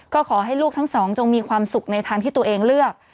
ก็ขอให้ลูกทั้งสองจงมีความสุขในทางที่ตัวเองเลือก